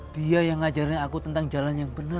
dia yang ngajarin aku tentang jalan yang benar